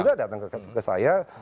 sudah datang ke saya